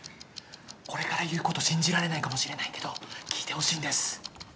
これから言うこと信じられないかもしれないけど聞いてほしいんです。